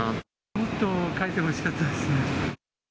もっと描いてほしかったです。